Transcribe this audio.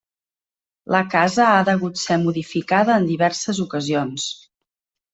La casa ha degut ser modificada en diverses ocasions.